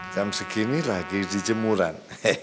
jam segini lagi dijemuran